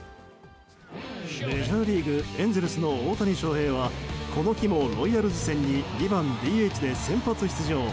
メジャーリーグエンゼルスの大谷翔平はこの日もロイヤルズ戦に２番ＤＨで先発出場。